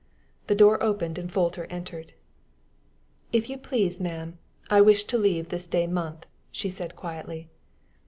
The door opened, and Folter entered. "If you please, ma'am, I wish to leave this day month," she said, quietly.